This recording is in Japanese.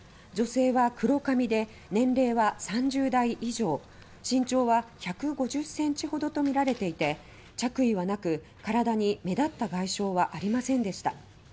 女性は黒髪で年齢は３０代以上身長は１５０ｃｍほどとみられていて着衣はなく体に目立った外傷はありませんでした。